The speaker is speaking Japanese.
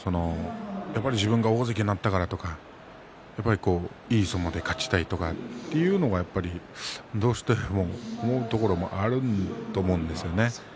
やっぱり自分が大関になったからとかいい相撲で勝ちたいとかどうしても、そう思うところもあると思うんですよね。